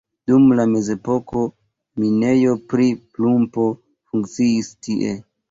Dum la mezepoko minejo pri plumbo funkciis tie.